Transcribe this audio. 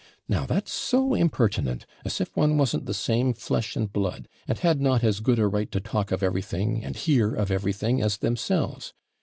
Now, that's so impertinent, as if one wasn't the same flesh and blood, and had not as good a right to talk of everything, and hear of everything, as themselves.